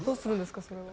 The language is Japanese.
それは。